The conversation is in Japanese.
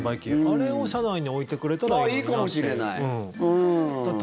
あれを車内に置いてくれたらいいのになって。